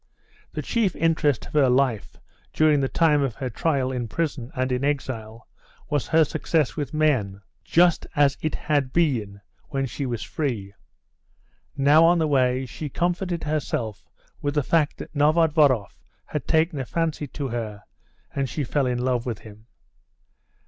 The chief interest of her life during the time of her trial in prison and in exile was her success with men, just as it had been when she was free. Now on the way she comforted herself with the fact that Novodvoroff had taken a fancy to her, and she fell in love with him.